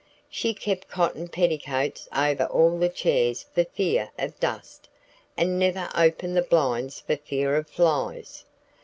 She kept cotton petticoats over all the chairs for fear of dust, and never opened the blinds for fear of flies.